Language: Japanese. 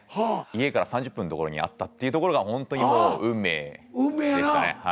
家から３０分の所にあったっていうところがほんとにもう運命でしたね。